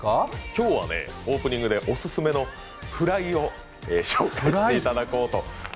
今日はね、オープニングでオススメのフライを紹介してもらおうと。